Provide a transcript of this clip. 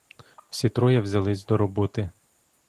Всі троє взялись до роботи.